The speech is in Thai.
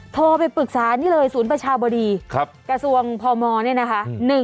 โทรไปปรึกษานี่เลยศูนย์ประชาบดีกระทรวงพมเนี่ยนะคะ